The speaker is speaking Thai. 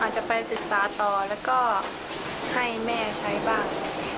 จะไปศึกษาต่อแล้วก็ให้แม่ใช้บ้าง